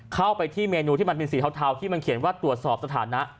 เข้าไปที่เมนูที่มันเป็นสีเทาที่มันเขียนว่าตรวจสอบสถานะ